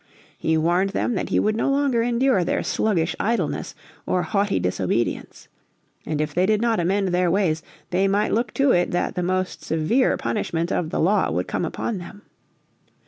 He warned them that he would no longer endure their sluggish idleness or haughty disobedience. And if they did not amend their ways they might look to it that the most severe punishment of the law would come upon them.